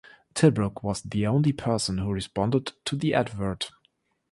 Tilbrook was the only person who responded to the advert.